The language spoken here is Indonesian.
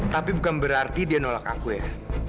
tapi bukan berarti dia nolak aku ya